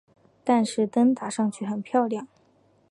但是灯打上去很漂亮